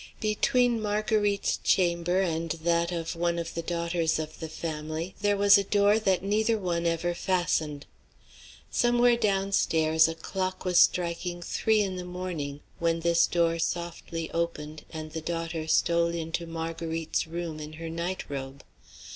Between Marguerite's chamber and that of one of the daughters of the family there was a door that neither one ever fastened. Somewhere down stairs a clock was striking three in the morning, when this door softly opened and the daughter stole into Marguerite's room in her night robe.